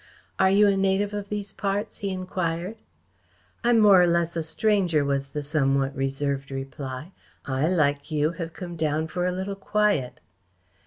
"Are you a native of these parts?" he enquired. "I am more or less a stranger," was the somewhat reserved reply. "I, like you, have come down for a little quiet."